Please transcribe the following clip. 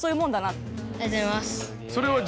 ありがとうございます。